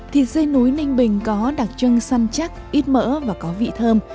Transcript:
thịt dê núi ninh bình có đặc trưng săn chắc ít mỡ và có vị thơm